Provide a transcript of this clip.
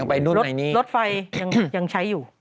ยังไปรถไฟยังใช้อยู่